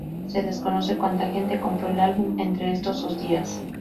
Se desconoce cuánta gente compró el álbum entre estos dos días.